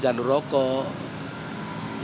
di kamar deskripsi